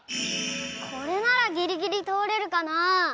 これならギリギリとおれるかな？